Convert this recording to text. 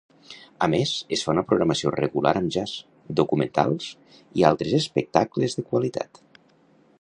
A més, es fa una programació regular amb Jazz, documentals i altres espectacles de qualitat.